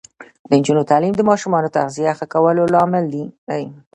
د نجونو تعلیم د ماشومانو تغذیه ښه کولو لامل دی.